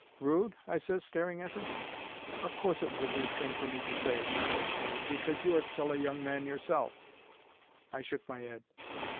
"'Rude?' I ses, staring at her. "'Of course it was a rude thing for me to say,' she ses, smiling; 'because you are still a young man yourself.' "I shook my 'ead.